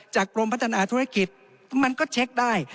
กรมพัฒนาธุรกิจมันก็เช็คได้